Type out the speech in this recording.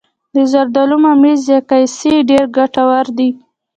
د زردالو ممیز یا قیسی ډیر ګټور دي.